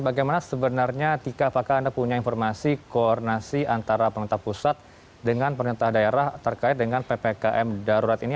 bagaimana sebenarnya tika apakah anda punya informasi koordinasi antara pemerintah pusat dengan pemerintah daerah terkait dengan ppkm darurat ini